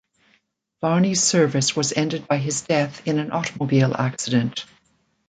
Varney's service was ended by his death in an automobile accident.